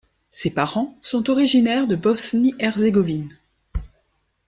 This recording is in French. Ses parents sont originaires de Bosnie-Herzégovine.